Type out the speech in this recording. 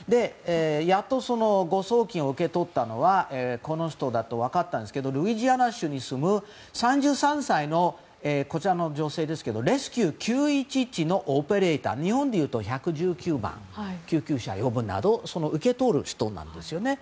やっと誤送金を受け取ったのはこの人だと分かったんですがルイジアナ州に住む３３歳の女性ですがレスキュー９１１のオペレーター日本でいうと１１９番救急車を呼ぶなどのものを受け取る人なんですよね。